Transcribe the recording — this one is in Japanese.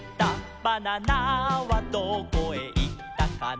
「バナナはどこへいったかな」